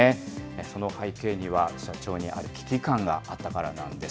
その背景には、社長にある危機感があったからなんです。